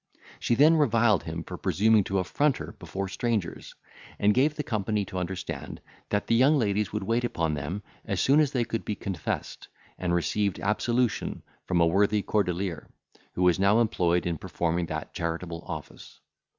She then reviled him for presuming to affront her before strangers, and gave the company to understand, that the young ladies would wait upon them as soon as they could be confessed and receive absolution from a worthy cordelier, who was now employed in performing that charitable office.